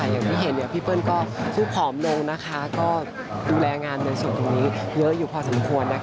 อย่างที่เห็นพี่เปิ้ลก็คือผอมลงก็ดูแลงานในส่วนตรงนี้เยอะอยู่พอสมควร